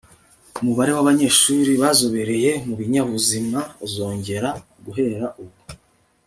umubare wabanyeshuri bazobereye mubinyabuzima uziyongera guhera ubu